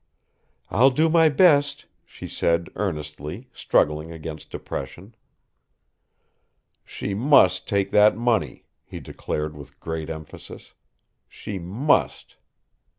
"I'll do my best," she said, earnestly, struggling against depression. "She must take that money," he declared with great emphasis. "She must!"